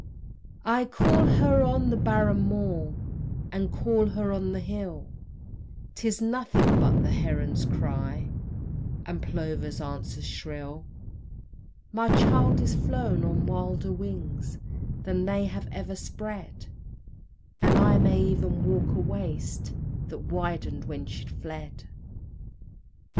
Aye, call her on the barren moor, And call her on the hill: 'Tis nothing but the heron's cry, And plover's answer shrill; My child is flown on wilder wings Than they have ever spread, And I may even walk a waste That widen'd when she fled.